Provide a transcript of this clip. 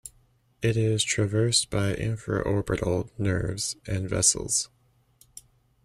It is traversed by infraorbital nerves and vessels.